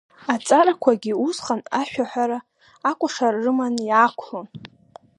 Аҵарақәагьы усҟан ашәаҳәара, акәашара рыманы иаақәлон.